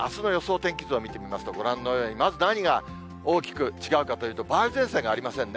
天気図を見てみますと、ご覧のように、まず何が大きく違うかというと、梅雨前線がありませんね。